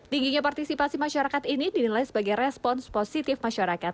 tingginya partisipasi masyarakat ini dinilai sebagai respons positif masyarakat